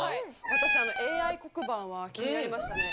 私ＡＩ黒板は気になりましたね。